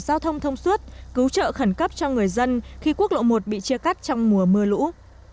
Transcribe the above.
giao thông thông suốt cứu trợ khẩn cấp cho người dân khi quốc lộ một bị chia cắt trong mùa mưa lũ